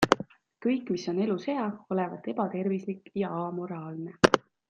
Kõik, mis on elus hea, olevat ebatervislik ja amoraalne.